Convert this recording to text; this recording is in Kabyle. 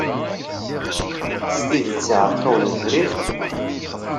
S tidet iɛeṛeq-awen webrid?